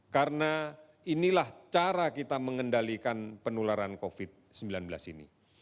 karena inilah cara kita mengendalikan penularan covid sembilan belas ini